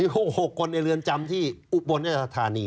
๖คนในเรือนจำที่อุบลราชธานี